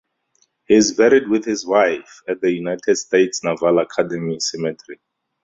He is buried with his wife at the United States Naval Academy Cemetery.